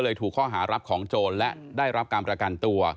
ถูกข้อหารับของโจรและได้รับการประกันตัว